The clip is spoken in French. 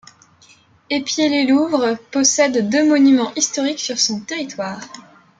Épiais-lès-Louvres possède deux monuments historiques sur son territoire.